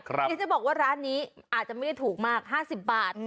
เดี๋ยวจะบอกว่าร้านนี้อาจจะไม่ได้ถูกมาก๕๐บาท